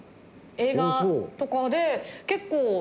映画とかで結構。